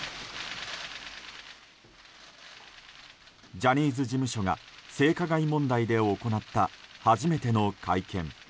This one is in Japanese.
ジャニーズ事務所が性加害問題で行った初めての会見。